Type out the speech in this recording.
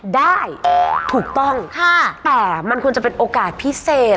ได้ถูกต้องแต่มันควรจะเป็นโอกาสพิเศษ